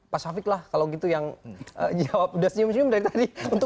pak syafiq lah kalau gitu yang jawab udah senyum senyum dari tadi